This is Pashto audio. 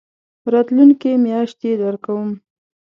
راتلونکې میاشت يي درکوم